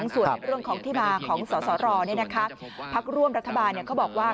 ส่วนเรื่องของที่มาของสสรพักร่วมรัฐบาลเขาบอกว่า